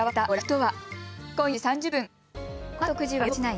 はい。